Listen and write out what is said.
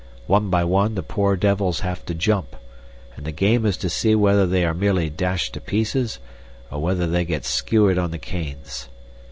One by one the poor devils have to jump, and the game is to see whether they are merely dashed to pieces or whether they get skewered on the canes.